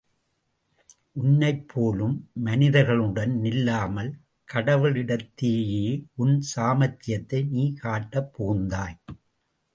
உன்னைப் போலும் மனிதர்களுடன் நில்லாமல் கடவுளிடத்தேயே உன் சாமர்த்தியத்தை நீ காட்டப் புகுந்தாய்.